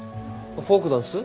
フォークダンス？